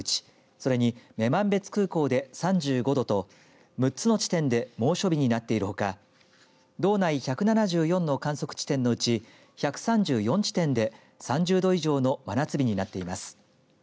それに女満別空港で３５度と６つの地点で猛暑日になっているほか道内１７４の観測地点のうち１３４地点で３０度以上の真夏日になっています。